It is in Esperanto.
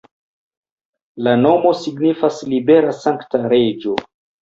La nomo signifas libera-sankta-reĝo.